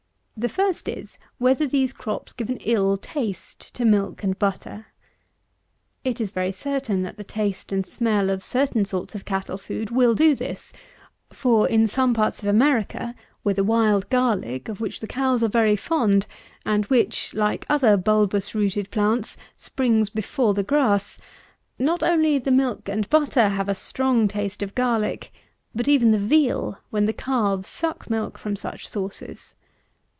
127. The first is, whether these crops give an ill taste to milk and butter. It is very certain, that the taste and smell of certain sorts of cattle food will do this; for, in some parts of America, where the wild garlick, of which the cows are very fond, and which, like other bulbous rooted plants, springs before the grass, not only the milk and butter have a strong taste of garlick, but even the veal, when the calves suck milk from such sources.